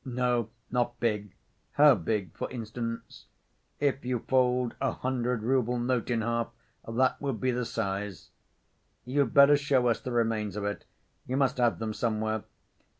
"No, not big." "How big, for instance?" "If you fold a hundred‐rouble note in half, that would be the size." "You'd better show us the remains of it. You must have them somewhere."